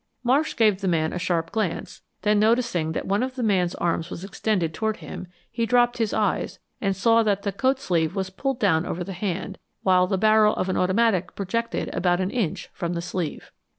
Marsh gave the man a sharp glance, then noticing that one of the man's arms was extended toward him, he dropped his eyes and saw that the coat sleeve was pulled down over the hand, while the barrel of an automatic projected about an inch from the sleeve.